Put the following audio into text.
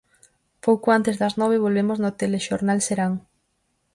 Pouco antes das nove, volvemos no Telexornal Serán.